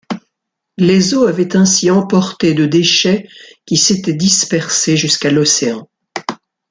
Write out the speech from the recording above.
Les eaux avaient ainsi emportés de déchets qui s'étaient dispersés jusqu’à l’océan.